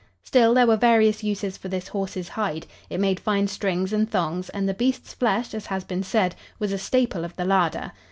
Still, there were various uses for this horse's hide. It made fine strings and thongs, and the beast's flesh, as has been said, was a staple of the larder.